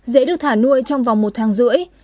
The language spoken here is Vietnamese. dế được thả nuôi trong vòng một tháng rưỡi